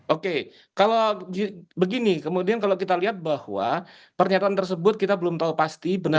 oke kalau begini kemudian kalau kita lihat bahwa pernyataan tersebut kita belum tahu pasti benar